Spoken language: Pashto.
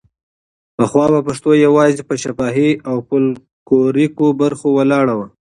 پخوا به پښتو یوازې په شفاهي او فولکلوریکو برخو ولاړه وه.